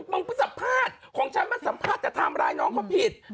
บังพุนสัมภาษณ์ของฉันมาสัมภาษณ์แต่ทำอะไรน้องเค้าผิด